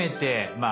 まあ